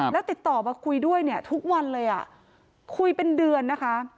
แล้วติดต่อมาคุยด้วยเนี่ยทุกวันเลยอ่ะคุยเป็นเดือนนะคะ